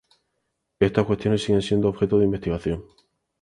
Estas cuestiones siguen siendo objeto de investigación.